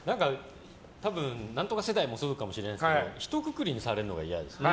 多分、何とか世代もそうかもしれないんですけどひとくくりにされるのが嫌かもしれないですね。